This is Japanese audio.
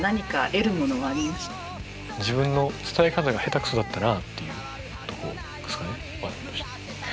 自分の伝え方が下手くそだったなあというとこですかね